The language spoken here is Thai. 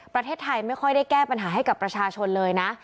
ประเทศไทยไม่ค่อยได้แก้ปัญหาให้กับประชาชนเลยนะ